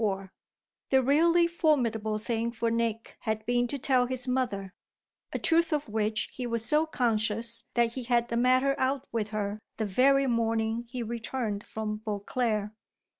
XXXIV The really formidable thing for Nick had been to tell his mother: a truth of which he was so conscious that he had the matter out with her the very morning he returned from Beauclere.